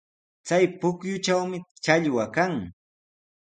Chay pukyutrawmi challwa kan.